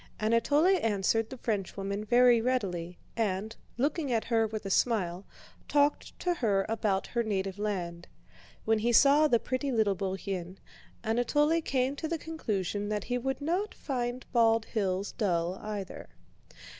Anatole answered the Frenchwoman very readily and, looking at her with a smile, talked to her about her native land. When he saw the pretty little Bourienne, Anatole came to the conclusion that he would not find Bald Hills dull either.